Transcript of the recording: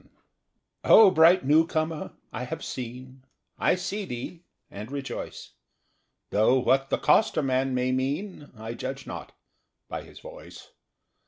_) O bright new comer, I have seen, I see thee, and rejoice; Though what the coster man may mean I judge not, by his voice.